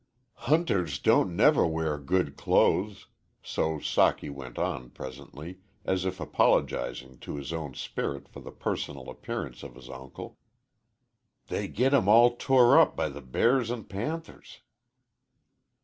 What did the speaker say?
"Hunters don't never wear good clothes." So Socky went on, presently, as if apologizing to his own spirit for the personal appearance of his uncle. "They git 'em all tore up by the bears an' panthers."